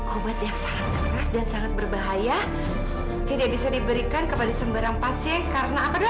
obat yang sangat keras dan sangat berbahaya tidak bisa diberikan kepada sembarang pasien karena akan